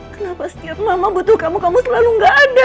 kenapa setiap mama butuh kamu kamu selalu gak ada